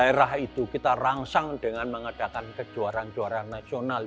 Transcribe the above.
daerah itu kita rangsang dengan mengadakan kejuaraan juara nasional